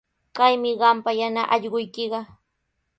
Kaymi qampa yana allquykiqa.